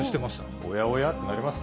おやおや？ってなりますね。